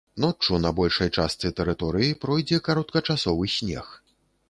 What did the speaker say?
Ноччу на большай частцы тэрыторыі пройдзе кароткачасовы снег.